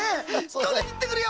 とりにいってくるよ！